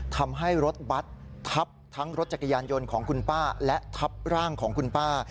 ทำให้รถบัตรทับทั้งรถจักรยานยนต์ของคุณป้าและทับร่างของคุณป้า